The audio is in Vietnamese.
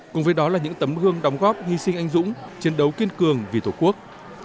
cùng với đó là những tấm gương đóng góp hy sinh anh dũng chiến đấu kiên cường vì tổ quốc